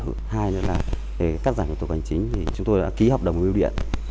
hai là để cắt giảm thủ tục hành chính chúng tôi đã ký hợp đồng biểu điện